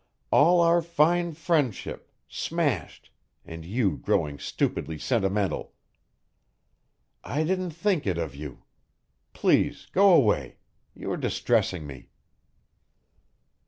"All our fine friendship smashed and you growing stupidly sentimental. I didn't think it of you. Please go away. You are distressing me."